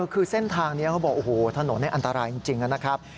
คือเส้นทางนี้เขาบอกโอ้โหถนนอันตรายจริงนะครับ